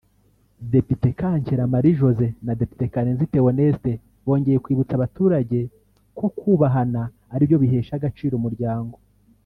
Depite Kankera Marie Josee na Depite Karenzi Theoneste bongeye kwibutsa abaturage ko kubahana aribyo bihesha agaciro umuryango